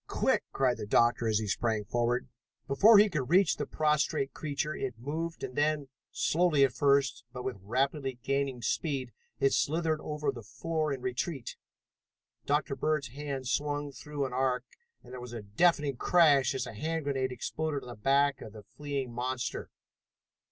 Quick!" cried the doctor as he sprang forward. Before he could reach the prostrate creature it moved and then, slowly at first, but with rapidly gaining speed, it slithered over the floor in retreat. Dr. Bird's hand swung through an arc, and there was a deafening crash as a hand grenade exploded on the back of the fleeing monster.